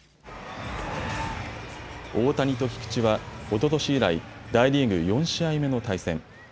大谷と菊池は、おととし以来、大リーグ４試合目の対戦。